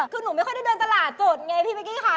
คือหนูไม่ค่อยได้เดินตลาดสดไงพี่เป๊กกี้ค่ะ